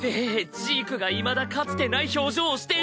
ジークがいまだかつてない表情をしている。